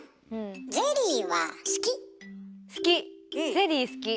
ゼリー好き。